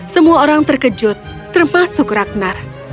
semua orang terkejut termasuk ragnar